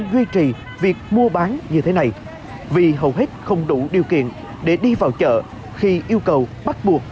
duy trì việc mua bán như thế này vì hầu hết không đủ điều kiện để đi vào chợ khi yêu cầu bắt buộc